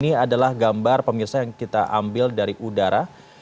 ini adalah gambar pemirsa yang kita ambil dari udara